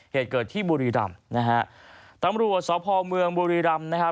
เหตุเกิดที่บุรีรำนะฮะตำรวจสพเมืองบุรีรำนะครับ